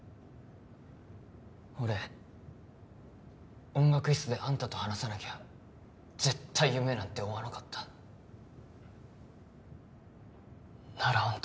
俺音楽室であんたと話さなきゃ絶対夢なんて追わなかったならあん